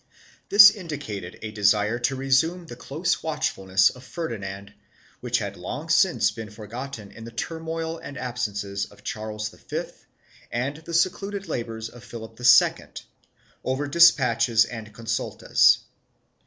1 This indicated a desire to resume the close watchfulness of Ferdinand which had long since been forgotten in the turmoil and absences of Charles V and the secluded labors of Philip II, over despatches and consultas.